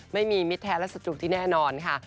ไม่มีมิตรแท้และสตุดที่แน่นอนค่ะ